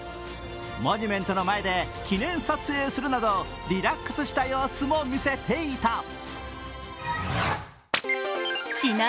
モニュメントの前で記念撮影するなどリラックスした様子も見せていた。